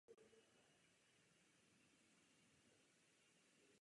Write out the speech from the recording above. Plukovník Young oznámí svá zjištění posádce v místnosti s bránou.